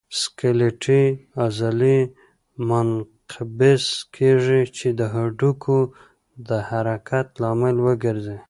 سکلیټي عضلې منقبض کېږي چې د هډوکو د حرکت لامل وګرځي.